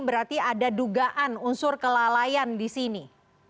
berarti ada dugaan unsur kelalaian di sini